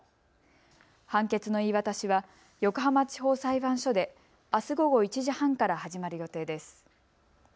判決の言い渡しは横浜地方裁判所であす午後１時半から始まる予定です。